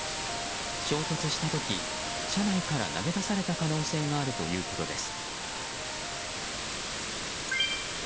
衝突した時車内から投げ出された可能性があるということです。